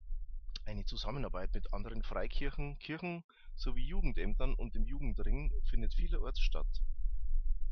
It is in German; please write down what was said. Eine Zusammenarbeit mit anderen Freikirchen, Kirchen sowie Jugendämtern und dem Jugendring findet vielerorts statt.